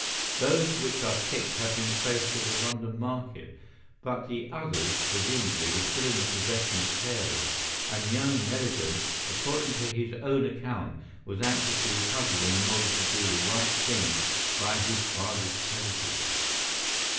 Those which are ticked have been traced on the London market, but the others, presumably, were still in the possession of Carey, and young Neligan, according to his own account, was anxious to recover them in order to do the right thing by his father's creditors.